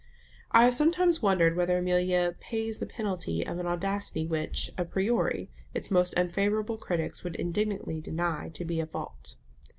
I have sometimes wondered whether Amelia pays the penalty of an audacity which, a priori, its most unfavourable critics would indignantly deny to be a fault.